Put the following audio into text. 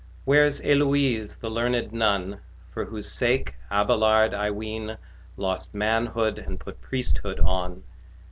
Where's Héloise, the learned nun, For whose sake Abeillard, I ween, Lost manhood and put priesthood on?